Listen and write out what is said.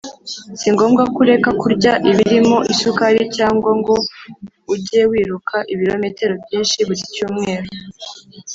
Si ngombwa ko ureka kurya ibirimo isukari cyangwa ngo ujye wiruka ibirometero byinshi buri cyumweru